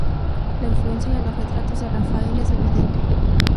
La influencia en los retratos de Rafael es evidente.